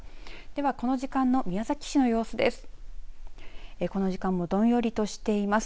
ではこの時間の宮崎市の様子です。